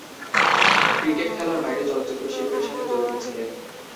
Cricket খেলার বাইরে চলচ্চিত্র শিল্পের সাথে জড়িত ছিলেন।